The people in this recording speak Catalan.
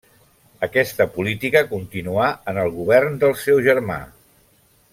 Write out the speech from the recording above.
Aquesta política continuà en el govern del seu germà.